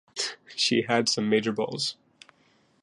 She had some major balls.